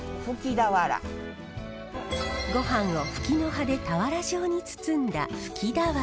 ごはんをフキの葉で俵状に包んだフキ俵。